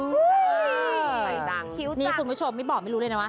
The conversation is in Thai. ใส่ตังค์คิวจังนี่คุณผู้ชมไม่บอกไม่รู้เลยนะวะ